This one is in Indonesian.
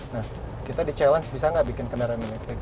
nah kita di challenge bisa nggak bikin kendaraan listrik